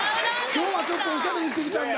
今日はちょっとおしゃれしてきたんだ。